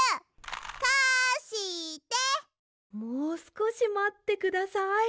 もうすこしまってください。